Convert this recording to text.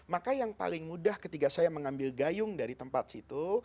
maka yang paling mudah ketika saya mengambil gayung dari tempat situ